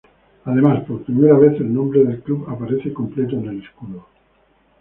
Además, por primera vez el nombre del club aparece completo en el escudo.